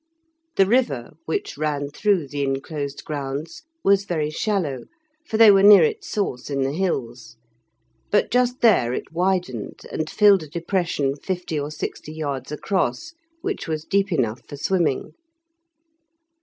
The river, which ran through the enclosed grounds, was very shallow, for they were near its source in the hills, but just there it widened, and filled a depression fifty or sixty yards across, which was deep enough for swimming.